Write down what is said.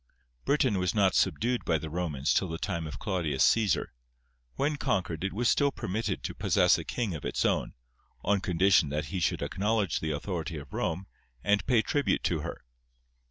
Britain was not subdued by the Romans till the time of Claudius Cæsar. When conquered it was still permitted to possess a king of its own, on condition that he should acknowledge the authority of Rome, and pay tribute to her.